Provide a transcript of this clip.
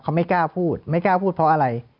เขาไม่กล้าพูดไม่กล้าพูดเพราะอะไร